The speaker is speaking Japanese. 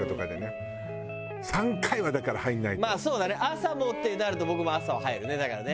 朝もってなると僕も朝は入るねだからね。